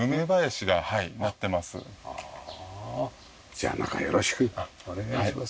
じゃあ中よろしくお願いします。